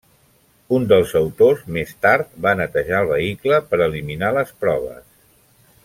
Un dels autors més tard va netejar el vehicle per eliminar les proves.